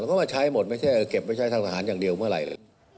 ก็มาใช้หมดไม่ใช่เก็บไว้ใช้ทางทหารอย่างเดียวเมื่อไหร่เลย